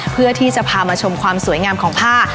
เพื่อที่จะพามาชมความสวยงามของผ้า